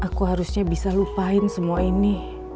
aku harusnya bisa lupain semua ini